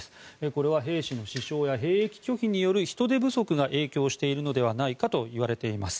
これは兵士の死傷や兵役拒否による人手不足が影響しているのではないかといわれています。